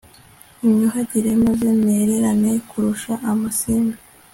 unyuhagire, maze nererane kurusha amasimbi